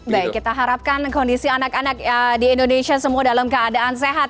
baik kita harapkan kondisi anak anak di indonesia semua dalam keadaan sehat